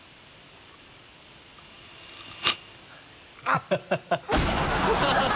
あっ！